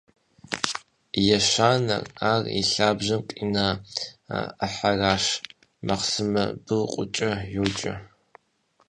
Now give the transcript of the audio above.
Ещанэр, ар и лъабжьэм къина ӏыхьэращ, махъсымэ быркъукӏэ йоджэ.